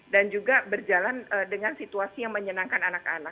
dan juga berjalan dengan situasi yang menyenangkan anak anak